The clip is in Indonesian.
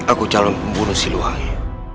aku calon pembunuh siliwangi